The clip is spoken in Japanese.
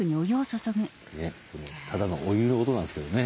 ただのお湯の音なんですけどね。